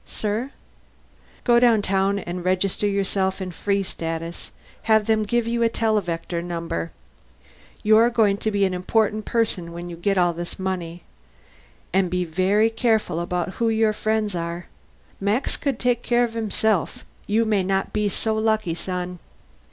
"Sir?" "Go downtown and get yourself registered in Free Status. Have them give you a televector number. You're going to be an important person when you get all that money. And be very careful about who your friends are. Max could take care of himself; you may not be so lucky, son."